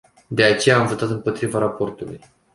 De aceea, am votat împotriva raportului.